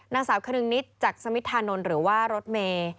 นางสาวคนึงนิดจักษมิทธานนท์หรือว่ารถเมย์